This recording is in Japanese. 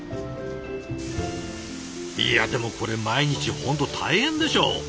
いやでもこれ毎日本当大変でしょう。